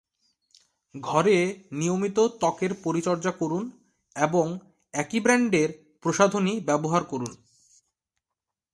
ঘরে নিয়মিত ত্বকের পরিচর্যা করুন এবং একই ব্র্যান্ডের প্রসাধনী ব্যবহার করুন।